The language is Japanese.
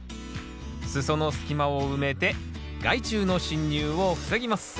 裾の隙間を埋めて害虫の侵入を防ぎます。